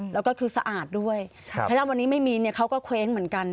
แล้วก็คือสะอาดด้วยถ้าวันนี้ไม่มีเนี่ยเขาก็เคว้งเหมือนกัน